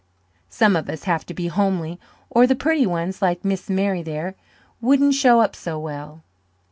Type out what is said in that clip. Some of us have to be homely or the purty ones like Miss Mary there wouldn't show up so well."